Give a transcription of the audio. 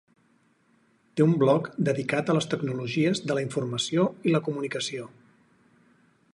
Té un blog dedicat a les tecnologies de la informació i la comunicació.